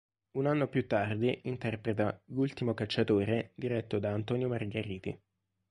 Un anno più tardi interpreta "L'ultimo cacciatore" diretto da Antonio Margheriti.